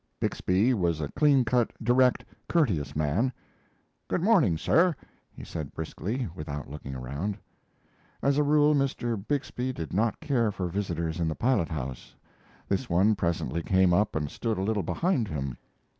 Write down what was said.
Bixby was a clean cut, direct, courteous man. "Good morning, sir," he said, briskly, without looking around. As a rule Mr. Bixby did not care for visitors in the pilot house. This one presently came up and stood a little behind him.